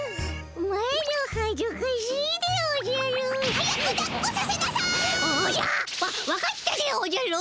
おおじゃ！わわかったでおじゃる！